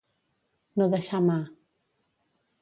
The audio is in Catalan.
No deixar mà.